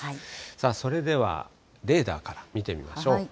さあ、それではレーダーから見てみましょう。